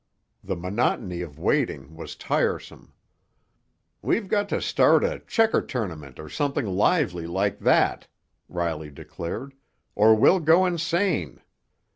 The monotony of waiting was tiresome. "We've got to start a checker tournament or something lively like that," Riley declared, "or we'll go insane.